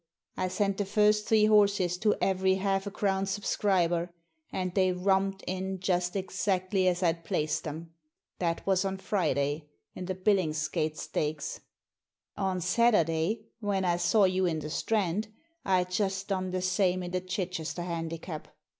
I sent the first three horses to every half a crown subscriber, and they romped in just exactly as I'd placed 'em. That was on Friday, in the Billingsgate Stakes; on Saturday, when I saw you in the Strand, I'd just done the same in the Chichester Handicap.